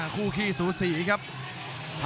คมทุกลูกจริงครับโอ้โห